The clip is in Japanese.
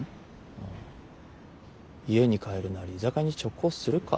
家に帰るなり居酒屋に直行するか？